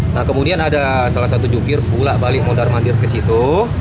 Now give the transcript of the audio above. nah kemudian ada salah satu jukir bolak balik mondar mandir ke situ